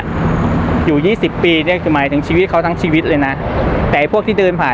อยู่๒๐ปีหมายถึงชีวิตเขาทั้งชีวิตเลยนะแต่พวกที่เดินผ่าน